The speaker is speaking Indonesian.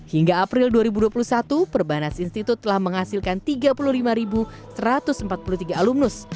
hingga april dua ribu dua puluh satu perbanas institut telah menghasilkan tiga puluh lima satu ratus empat puluh tiga alumnus